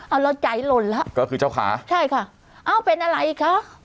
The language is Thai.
เอาเราใจหล่นแล้วก็คือเจ้าขาใช่ค่ะเอ้าเป็นอะไรคะ